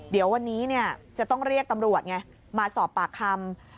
เดี๋ยววันนี้จะต้องเรียกตำรวจไงมาสอบปากคำ